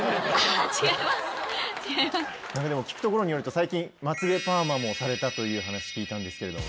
聞くところによると最近まつげパーマもされたという話聞いたんですけれども。